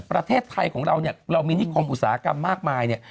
ประเทศไทยของเราเนี่ยเรามีนิคมอุตสาหกรรมมากมายเนี่ย